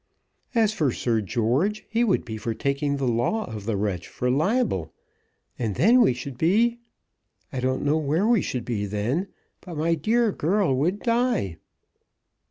"As for Sir George, he would be for taking the law of the wretch for libel, and then we should be ! I don't know where we should be then; but my dear girl would die."